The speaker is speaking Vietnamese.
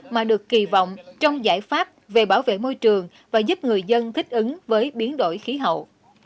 mà được kỳ vọng trong giải pháp về bảo vệ môi trường và giúp người dân thích ứng với biến đổi khí hậu